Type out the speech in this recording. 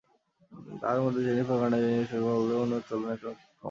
তাঁদের মধ্যে জেনিফার গার্নারকে নিয়ে শোরগোল বলতে গেলে অন্যদের তুলনায় অনেকটা কমই।